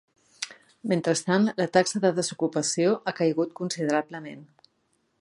Mentrestant, la taxa de desocupació ha caigut considerablement.